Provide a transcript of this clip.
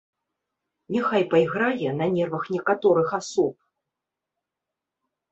Няхай пайграе на нервах некаторых асоб.